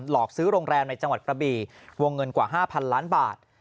หลอกซื้อโรงแรมในจังหวัดกระบีวงเงินกว่า๕๐๐๐ล้านบาท